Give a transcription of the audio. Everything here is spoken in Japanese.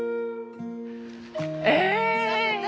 え！